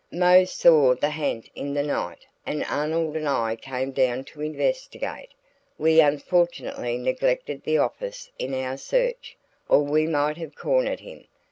Mose saw the ha'nt in the night, and Arnold and I came down to investigate; we unfortunately neglected the office in our search, or we might have cornered him.